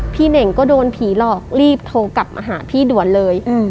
เน่งก็โดนผีหลอกรีบโทรกลับมาหาพี่ด่วนเลย